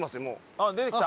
あっ出てきた？